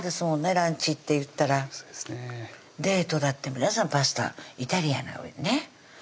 ランチっていったらデートだって皆さんパスタイタリアンが多いね